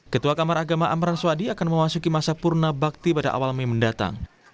ketua kamar agama amran suwadi akan memasuki masa purna bakti pada awal mei mendatang